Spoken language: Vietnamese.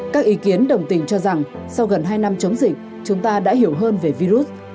các ý kiến đồng tình cho rằng sau gần hai năm chống dịch chúng ta đã hiểu hơn về virus